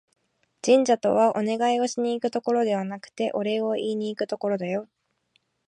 神社とは、お願いをしに行くところではなくて、お礼を言いにいくところだよ